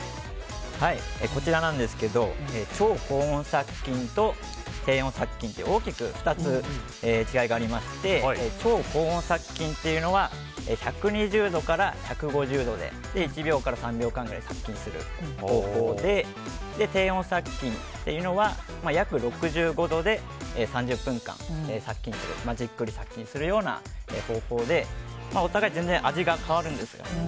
超高温殺菌と低温殺菌という大きく２つ違いがありまして超高温殺菌というのは１２０度から１５０度で１秒から３秒間くらい殺菌する方法で低温殺菌というのは約６５度で３０分間、殺菌するじっくり殺菌するような方法でお互い全然味が変わるんですよ。